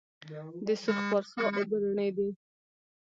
د سرخ پارسا اوبه رڼې دي